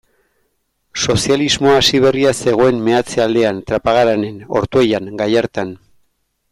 Sozialismoa hasi berria zegoen meatze-aldean, Trapagaranen, Ortuellan, Gallartan.